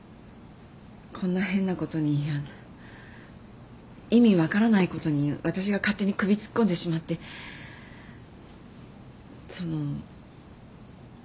こんな変なことにあの意味分からないことに私が勝手に首突っ込んでしまってその。